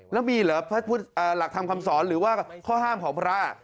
แล้วมีเหรอพระหลักธรรมคำสอนหรือว่าข้อห้ามของพระ